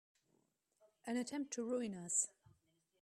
An attempt to ruin us!